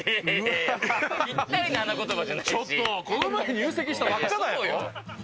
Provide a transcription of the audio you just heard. ちょっとこの前、入籍したばっかだよ。